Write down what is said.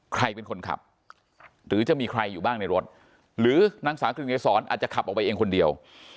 ใครเป็นคนขับหรือจะมีใครอยู่บ้างในรถหรือนางสาวกลิ่นเกษรอาจจะขับออกไปเองคนเดียว